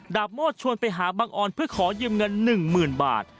โมดชวนไปหาบังออนเพื่อขอยืมเงิน๑๐๐๐บาท